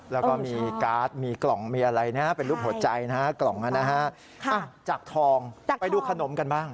แล้วก็มีกราศมีกล่องพอใจจากทองไปดูขนมกันบ้าง